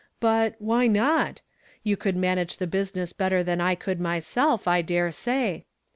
But why not? You could manage the business better than I could myself, I dare say.